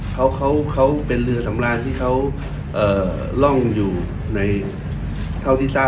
เขาเขาเป็นเรือสำราญที่เขาร่องอยู่ในเท่าที่ทราบ